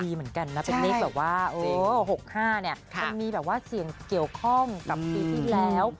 อีเหมือนกันนะว่า๖๕นี้ก็มีเสียงเกี่ยวข้องกับปีที่แล้ว